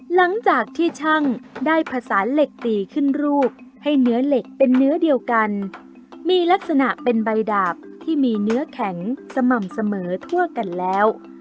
หลังจากที่ช่างได้ผสานเหล็กตีขึ้นรูปให้เนื้อเหล็กเป็นเนื้อเดียวกันมีลักษณะเป็นใบดาบที่มีเนื้อแข็งสม่ำเสมอทั่วกันแล้ว